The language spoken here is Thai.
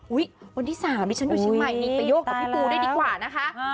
วันที่๓นี่ฉันอยู่เชียงใหม่นี่ไปโยกกับพี่ปูได้ดีกว่านะคะ